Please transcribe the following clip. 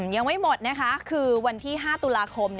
ยังไม่หมดนะคะคือวันที่๕ตุลาคม